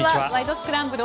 スクランブル」